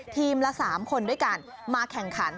ละ๓คนด้วยกันมาแข่งขัน